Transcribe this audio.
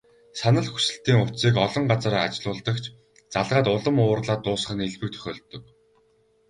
Санал хүсэлтийн утсыг олон газар ажиллуулдаг ч, залгаад улам уурлаад дуусах нь элбэг тохиолддог.